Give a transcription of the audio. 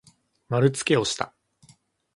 まるつけをした。